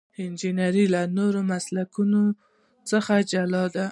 انجنیری له نورو مسلکونو څخه جلا ده.